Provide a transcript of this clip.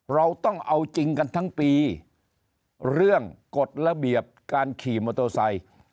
เราต้องเอาจริงกันทั้งปีเรื่องกฎระเบียบการขี่มอเตอร์ไซค์